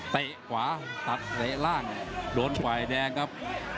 เตะขวาตัดเตะล่างโดนฝ่ายแดงครับ